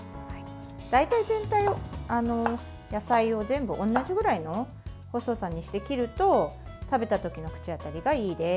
大体、全体を野菜を全部同じぐらいの細さにして切ると食べた時の口当たりがいいです。